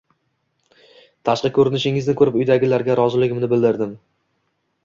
Tashqi ko`rinishingizni ko`rib, uydagilarga roziligimni bildirdim